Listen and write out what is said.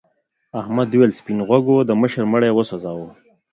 احمد وویل سپین غوږو د مشر مړی وسوځاوه.